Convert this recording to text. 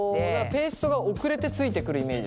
ペーストが遅れてついてくるイメージですよね。